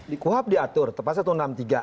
di kohab diatur tepatnya satu ratus enam puluh tiga